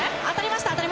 当たりました。